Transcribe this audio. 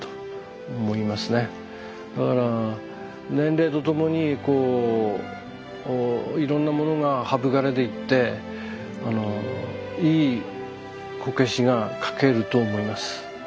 だから年齢と共にこういろんなものが省かれていっていいこけしが描けると思います。